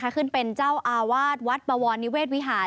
ขึ้นเป็นเจ้าอาวาสวัดบวรนิเวศวิหาร